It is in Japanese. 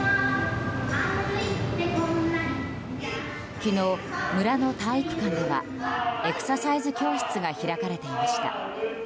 昨日、村の体育館ではエクササイズ教室が開かれていました。